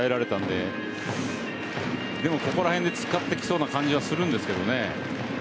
でもここらへんで使ってきそうな感じはするんですけどね。